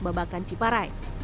bapak bapak dan bapak bapak